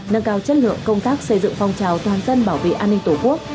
nâng cao chất lượng công tác xây dựng phong trào toàn dân bảo vệ an ninh tổ quốc